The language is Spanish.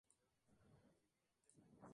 Se sitúa al este del núcleo urbano.